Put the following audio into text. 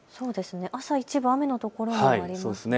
朝一部、雨の所、ありますね。